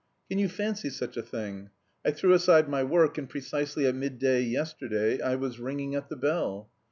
Can you fancy such a thing? I threw aside my work, and precisely at midday yesterday I was ringing at the bell.